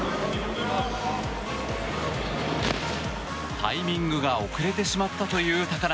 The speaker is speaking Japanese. タイミングが遅れてしまったという高梨。